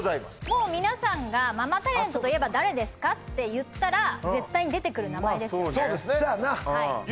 もう皆さんが「ママタレントといえば誰ですか」って言ったら絶対に出てくる名前ですよね